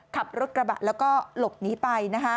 ขับรถกระบะแล้วก็หลบหนีไป